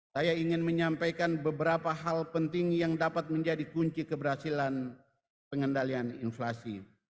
saya ingin menyampaikan beberapa hal penting yang dapat menjadi kunci keberhasilan pengendalian inflasi